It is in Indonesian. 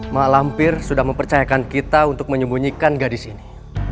mak lampir sudah mempercayakan kita untuk menyembunyikan gadis ini